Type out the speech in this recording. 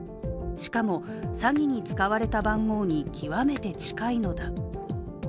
しかも詐欺に使われた番号に極めて近いのだ。